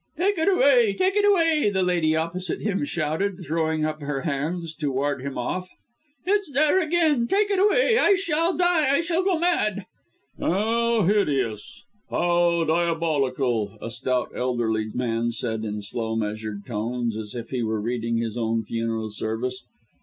"Take it away take it away!" the lady opposite him shouted, throwing up her hands to ward him off. "It's there again! Take it away! I shall die I shall go mad!" "How hideous! How diabolical!" a stout, elderly man said in slow, measured tones, as if he were reading his own funeral service.